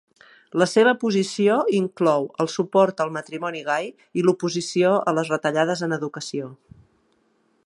La seva posició inclou el suport al matrimoni gai i l'oposició a les retallades en educació.